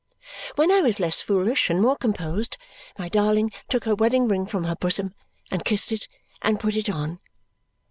When I was less foolish and more composed, my darling took her wedding ring from her bosom, and kissed it, and put it on.